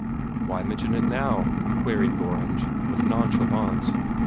"Why mention it now?" queried Gorringe, with nonchalance.